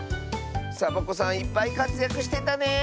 サボ子さんいっぱいかつやくしてたね！